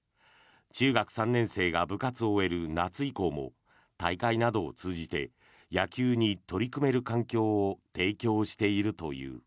中学３年生が部活を終える夏以降も大会などを通じて野球に取り組める環境を提供しているという。